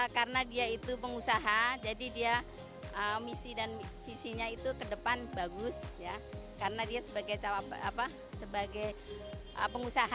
karena dia itu pengusaha jadi dia misi dan visinya itu ke depan bagus ya karena dia sebagai pengusaha